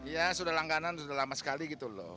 ya sudah langganan sudah lama sekali gitu loh